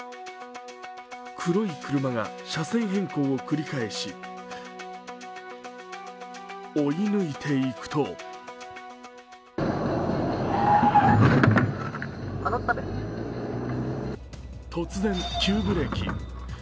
黒い車が車線変更を繰り返し、追い抜いていくと突然、急ブレーキ。